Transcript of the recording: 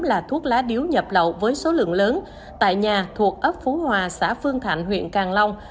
là thuốc lá điếu nhập lậu với số lượng lớn tại nhà thuộc ấp phú hòa xã phương thạnh huyện càng long